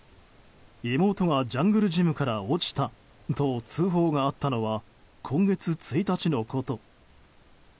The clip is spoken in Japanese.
妹がジャングルジムから落ちたと通報があったのは今月１日のこと。